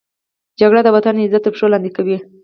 جګړه د وطن عزت تر پښو لاندې کوي